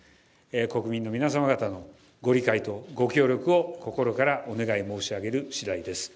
国民の皆様のご理解とご協力を心からお願い申し上げる次第です。